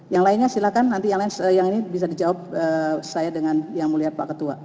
yang lainnya silahkan nanti yang ini bisa dijawab saya dengan yang mulia pak ketua